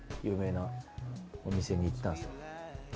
有名なお店に行ったんですよ。